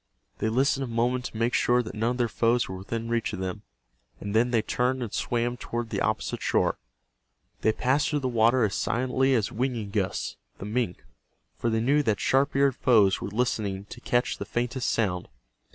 They listened a moment to make sure that none of their foes were within reach of them, and then they turned and swam toward the opposite shore. They passed through the water as silently as Winingus, the mink, for they knew that sharp eared foes were listening to catch the faintest sound.